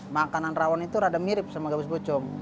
makanan rawon itu rada mirip sama gabus pucung